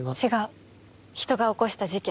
人が起こした事件。